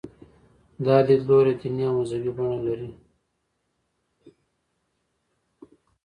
دا لیدلوری دیني او مذهبي بڼه لري.